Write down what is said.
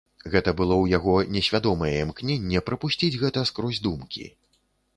Гэта было ў яго несвядомае імкненне прапусціць гэта скрозь думкі.